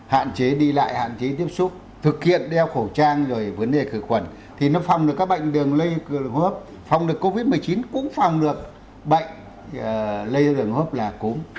hạn chế đi lại hạn chế tiếp xúc thực hiện đeo khẩu trang rồi vấn đề khởi khuẩn thì nó phòng được các bệnh đường lây hô hấp phòng được covid một mươi chín cũng phòng được bệnh lây ra đường hô hấp là cúm